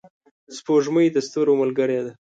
سپوږمۍ د ستورو ملګرې ده.